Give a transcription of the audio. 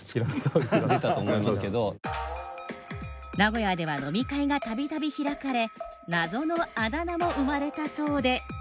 名古屋では飲み会が度々開かれ謎のあだ名も生まれたそうで。